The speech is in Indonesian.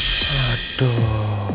pangeran ikut dinner